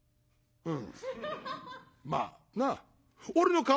うん？